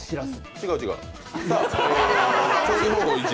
違う、違う。